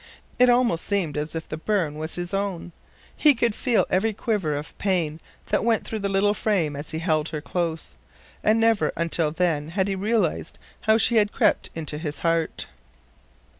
It almost seemed as if the burn was his own. He could feel every quiver of pain that went through the little frame as he held her close, and never until then had he realized how she had crept into his heart.